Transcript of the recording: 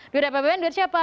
duit apbn duit siapa